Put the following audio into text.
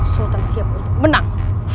sultan siap untuk menang